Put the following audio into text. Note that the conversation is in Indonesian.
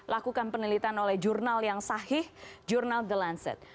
lakukan penelitian oleh jurnal yang sahih jurnal the lancet